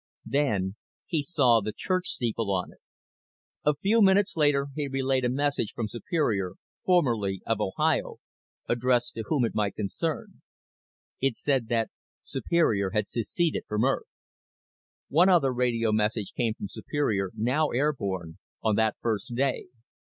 Then he saw the church steeple on it. A few minutes later he had relayed a message from Superior, formerly of Ohio, addressed to whom it might concern: It said that Superior had seceded from Earth. One other radio message came from Superior, now airborne, on that first day.